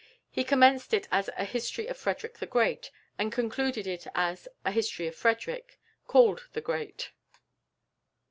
He commenced it as a "History of Frederick the Great," and concluded it as a "History of Frederick, called the Great."